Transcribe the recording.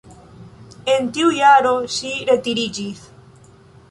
En tiu jaro ŝi retiriĝis.